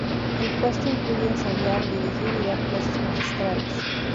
El puesto incluye ensayar, dirigir y dar clases magistrales.